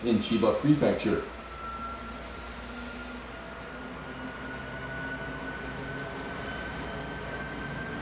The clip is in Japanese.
千葉県にある特別養護老人ホームです。